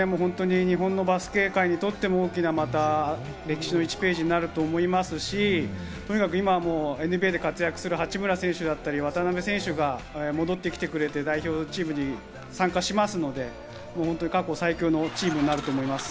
日本のバスケ界にとっても大きな歴史の１ページになると思いますし、とにかく今、ＮＢＡで活躍する八村選手や渡邊選手が戻ってきてくれて代表チームに参加しますので、過去最強のチームになると思います。